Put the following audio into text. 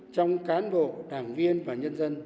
trong cán bộ đảng viên và nhân dân